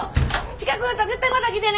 近く寄ったら絶対また来てね！